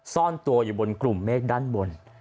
ซ่อนตัวอยู่บนกลุ่มเมฆด้านบน